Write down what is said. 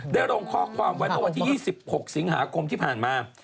ได้ลงข้อความวัยตัวที่๒๖สิงหาคมที่ผ่านมา